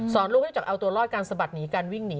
ลูกให้รู้จักเอาตัวรอดการสะบัดหนีการวิ่งหนี